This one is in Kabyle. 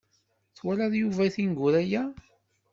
Twalaḍ Yuba tineggura-ya?